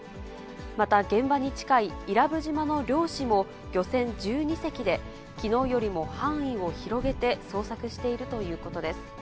また、現場に近い伊良部島の漁師も、漁船１２隻できのうよりも範囲を広げて捜索しているということです。